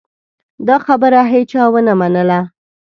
دا خبره هېچا ونه منله.